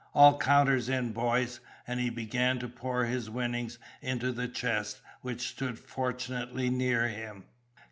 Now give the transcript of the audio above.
All counters in, boys!" and he began to pour his winnings into the chest, which stood fortunately near him.